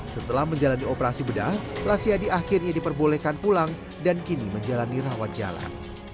setelah menjalani operasi bedah rasiadi akhirnya diperbolehkan pulang dan kini menjalani rawat jalan